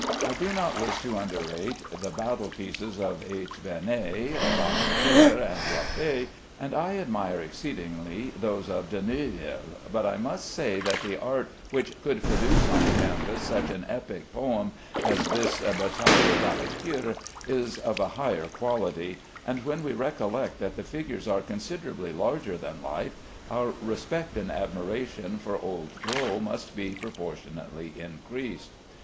I do not wish to underrate the battle pieces of H. Vernet, Bellanger, and Raffet, and I admire exceedingly those of De Neuville, but I must say that the art which could produce on canvas such an epic poem as this "Battaille d'Aboukir" is of a higher quality; and when we recollect that the figures are considerably larger than life, our respect and admiration for old Gros must be proportionately increased.